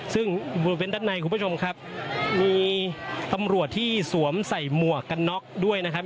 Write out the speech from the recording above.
ซึ่งบริเวณด้านในคุณผู้ชมครับมีตำรวจที่สวมใส่หมวกกันน็อกด้วยนะครับ